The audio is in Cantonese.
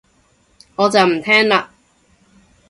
我就唔聽喇